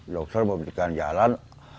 dokter memberikan jalan